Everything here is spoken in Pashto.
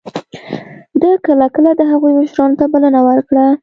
ده کله کله د هغوی مشرانو ته بلنه ورکړه.